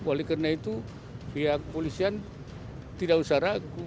oleh karena itu pihak polisian tidak usah ragu